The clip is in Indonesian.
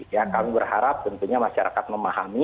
ya kami berharap tentunya masyarakat memahami